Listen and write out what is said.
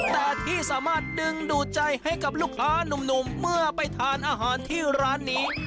แต่ที่สามารถดึงดูดใจให้กับลูกค้านุ่มเมื่อไปทานอาหารที่ร้านนี้